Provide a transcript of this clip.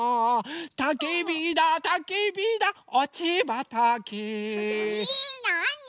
「たきびだたきびだおちばたき」えなあに？